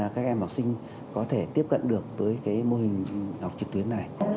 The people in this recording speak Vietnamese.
các em học sinh có thể tiếp cận được với mô hình học trực tuyến này